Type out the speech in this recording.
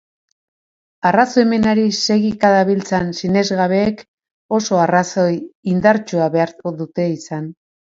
Arrazoimenari segika dabiltzan sinesgabeek oso arrazoi indartsua behar dute izan.